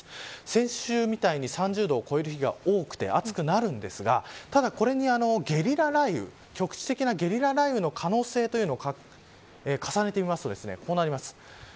先週みたいに３０度を超える日が多くて暑くなるんですがただ、これにゲリラ雷雨その可能性を重ねてみますとこうなります。